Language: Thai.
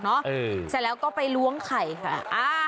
เสร็จแล้วก็ไปล้วงไข่ค่ะ